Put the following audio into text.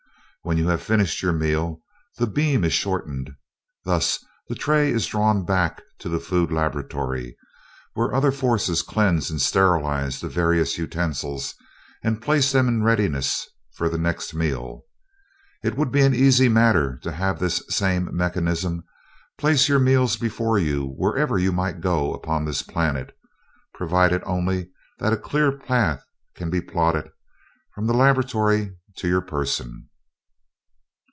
When you have finished your meal, the beam is shortened. Thus the tray is drawn back to the food laboratory, where other forces cleanse and sterilize the various utensils and place them in readiness for the next meal. It would be an easy matter to have this same mechanism place your meals before you wherever you may go upon this planet, provided only that a clear path can be plotted from the laboratory to your person."